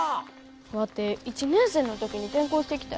ワテ１年生の時に転校してきたやろ？